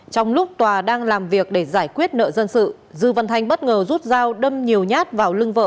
trong lúc tòa đang làm việc để giải quyết nợ dân sự dư văn thanh bất ngờ rút dao đâm nhiều nhát vào lưng vợ